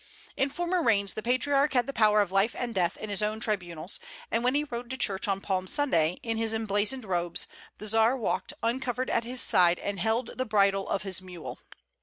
In former reigns the Patriarch had the power of life and death in his own tribunals; and when he rode to church on Palm Sunday, in his emblazoned robes, the Czar walked uncovered at his side, and held the bridle of his mule.